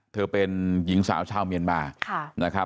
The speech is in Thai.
เธอเป็นหญิงสาวชาวเมียนมานะครับ